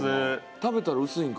食べたら薄いんかな？